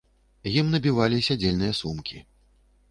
Ім набівалі сядзельныя сумкі.